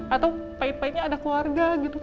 atau pahit pahitnya ada keluarga gitu